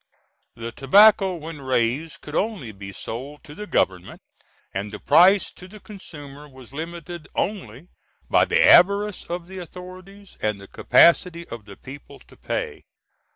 The tobacco when raised could only be sold to the government, and the price to the consumer was limited only by the avarice of the authorities, and the capacity of the people to pay.